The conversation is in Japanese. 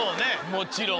もちろん。